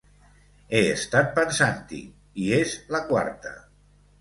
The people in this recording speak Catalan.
He estat pensant-hi i és la quarta.